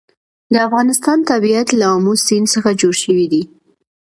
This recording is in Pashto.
د افغانستان طبیعت له آمو سیند څخه جوړ شوی دی.